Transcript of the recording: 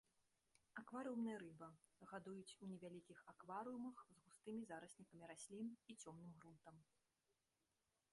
Акварыумная рыба, гадуюць у невялікіх акварыумах з густымі зараснікамі раслін і цёмным грунтам.